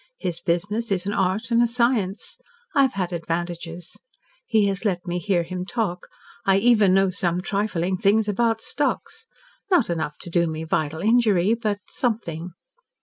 His business is an art and a science. I have had advantages. He has let me hear him talk. I even know some trifling things about stocks. Not enough to do me vital injury but something.